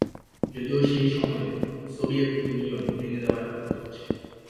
যদিও সেই সময়ে, সোভিয়েত ইউনিয়ন ভেঙে দেওয়ার কাজ চলছে।